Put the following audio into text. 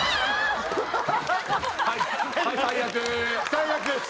最悪です。